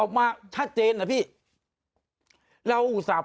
ผมให้พญาคุศ